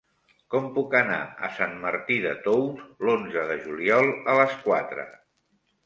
Com puc anar a Sant Martí de Tous l'onze de juliol a les quatre?